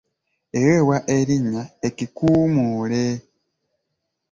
Eweebwa erinnya ekikuumuule.